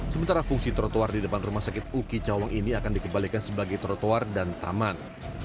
sementara fungsi trotoar di depan rumah sakit uki cawang ini akan dikembalikan sebagai trotoar dan taman